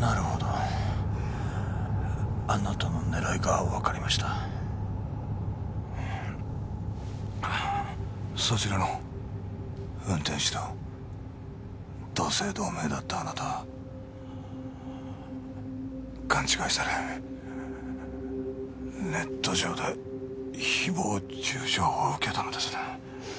なるほどあなたの狙いが分かりましたそちらの運転手と同姓同名だったあなたは勘違いされネット上で誹謗中傷を受けたのですね